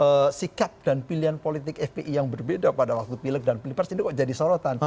setelah sikat dan pilihan politik fpi yang berbeda pada waktu pil dan pilprs ini kok jadi sorotan